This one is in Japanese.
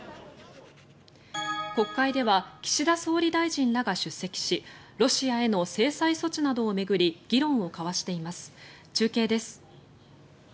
国会では岸田総理大臣らが出席しロシアへの制裁措置などを巡り議論を交わしています中継です。